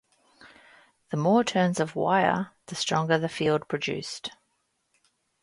The more turns of wire, the stronger the field produced.